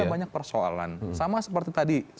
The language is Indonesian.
ada banyak persoalan sama seperti tadi